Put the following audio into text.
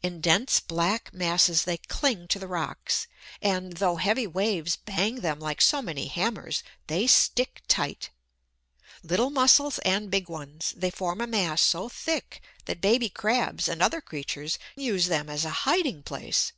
In dense black masses they cling to the rocks; and, though heavy waves bang them like so many hammers, they stick tight. Little Mussels and big ones, they form a mass so thick that baby crabs and other creatures use them as a hiding place.